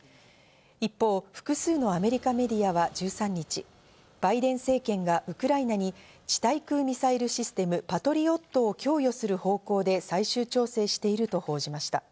一方、複数のアメリカメディアは１３日、バイデン政権がウクライナに地対空ミサイルシステム、パトリオットを供与する方向で最終調整していると報じました。